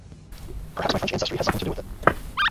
Perhaps my French ancestry has something to do with it.